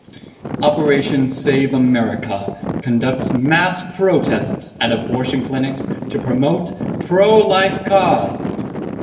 Operation Save America conducts mass protests at abortion clinics to promote pro-life cause.